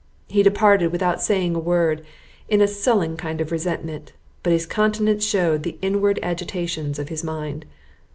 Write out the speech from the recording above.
He departed without saying a word, in a sullen kind of resentment, but his countenance shewed the inward agitations of his mind.